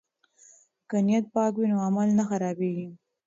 که نیت پاک وي نو عمل نه خرابیږي.